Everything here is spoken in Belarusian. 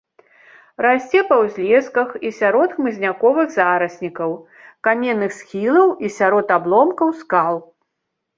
Расце па ўзлесках і сярод хмызняковых зараснікаў каменных схілаў і сярод абломкаў скал.